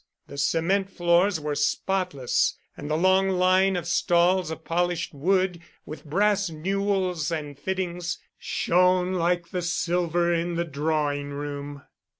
The cement floors were spotless, and the long line of stalls of polished wood with brass newels and fittings shone like the silver in the drawing room.